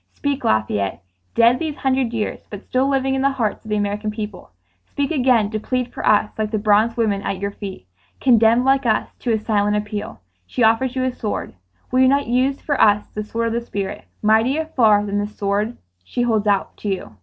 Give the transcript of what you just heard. "Speak, Lafayette, dead these hundred years but still living in the hearts of the American people. Speak again to plead for us like the bronze woman at your feet, condemned like us to a silent appeal. She offers you a sword. Will you not use for us the sword of the spirit, mightier far than the sword she holds out to you?